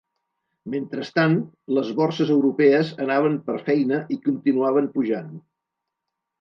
Mentrestant, les borses europees anaven per feina i continuaven pujant.